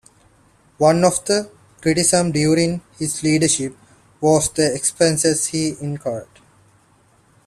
One of the criticisms during his leadership was the expenses he incurred.